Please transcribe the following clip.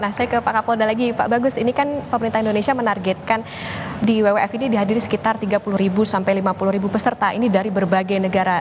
nah saya ke pak kapolda lagi pak bagus ini kan pemerintah indonesia menargetkan di wwf ini dihadiri sekitar tiga puluh sampai lima puluh peserta ini dari berbagai negara